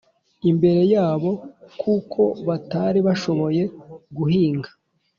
imbere yabo, kuko batari bashoboye guhinga